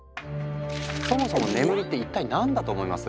そもそも眠りって一体何だと思います？